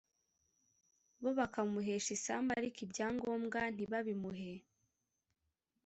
Bo bakamuhesha isambu ariko ibyangombwa ntibabimuhe